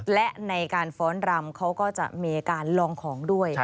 และในการฟ้อนรำเขาก็จะมีการลองของด้วย